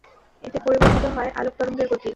এতে পরিবর্তিত হয় আলোক তরঙ্গের গতি।